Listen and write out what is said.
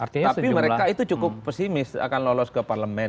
tapi mereka itu cukup pesimis akan lolos ke parlemen